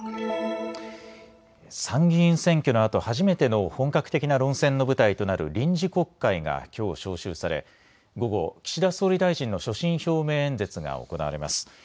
参議院選挙のあと初めての本格的な論戦の舞台となる臨時国会がきょう召集され午後、岸田総理大臣の所信表明演説が行われます。